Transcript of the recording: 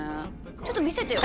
ちょっと見せてよ。